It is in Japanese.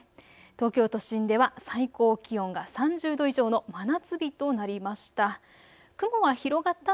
東京都心では最高気温が３０度以上の真夏日となりました。